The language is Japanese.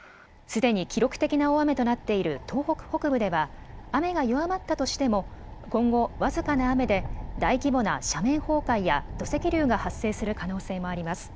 すでに記録的な大雨となっている東北北部では雨が弱まったとしても今後、僅かな雨で大規模な斜面崩壊や土石流が発生する可能性もあります。